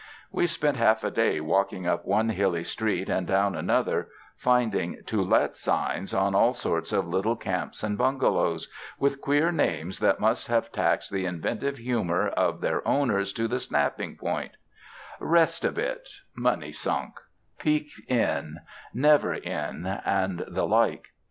We spent half a day walking up one hilly street and down another, finding "To Let" signs on all sorts of little camps and bungalows with queer names that must have taxed the inventive humor of their owners to the snapping point— "Rest a bit," 192 WINTER ON THE ISLE OF SUMMER "Munnysunk, " "Peek Inn," "Never Inn," and the like.